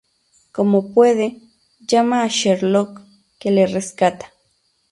Como puede, llama a Sherlock, que le rescata.